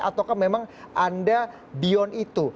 ataukah memang anda beyond itu